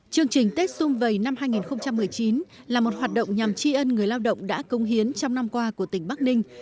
chương trình tết xung vầy năm hai nghìn một mươi chín là một hoạt động nhằm tri ân người lao động đã công hiến trong năm qua của tỉnh bắc ninh